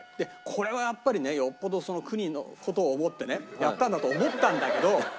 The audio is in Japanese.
これはやっぱりねよっぽど国の事を思ってねやったんだと思ったんだけど違うんだよ。